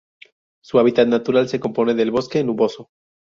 Su hábitat natural se compone de bosque nuboso.